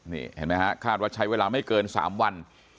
นี่เห็นไหมฮะคาดว่าใช้เวลาไม่เกิน๓วัน